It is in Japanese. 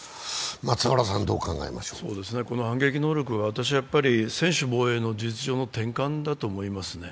この反撃能力は専守防衛の事実上の転換だと思いますね。